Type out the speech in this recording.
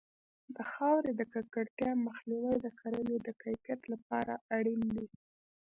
د خاورې د ککړتیا مخنیوی د کرنې د کیفیت لپاره اړین دی.